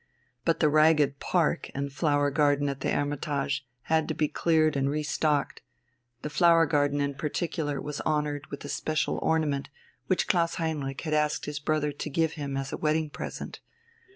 But the ragged park and flower garden at the "Hermitage" had to be cleared and restocked; the flower garden in particular was honoured with a special ornament which Klaus Heinrich had asked his brother to give him as a wedding present.